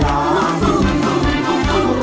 ร้องได้พี่พ่อ